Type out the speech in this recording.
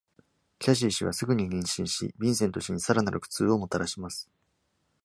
キャシー氏はすぐに妊娠し、ヴィンセント氏にさらなる苦痛をもたらします。